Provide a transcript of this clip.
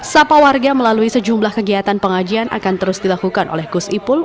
sapa warga melalui sejumlah kegiatan pengajian akan terus dilakukan oleh gus ipul